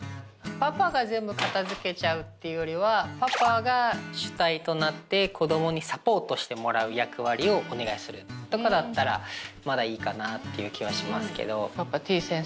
パパが全部片づけちゃうっていうよりはパパが主体となって子どもにサポートしてもらう役割をお願いするとかだったらまだいいかなっていう気はしますけど。